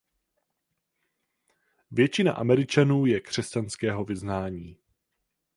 Většina Američanů je křesťanského vyznání.